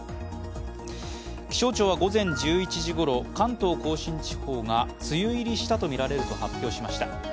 気象庁は午前１１時ごろ、関東甲信地方が梅雨入りしたとみられると発表しました。